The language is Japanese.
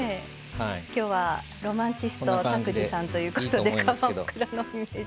きょうはロマンチスト拓児さんということで。